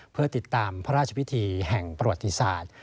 เพื่อติดตามพระราชพิธีแห่งประวัติศาสตร์